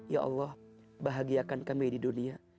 ya allah bahagiakan kami di dunia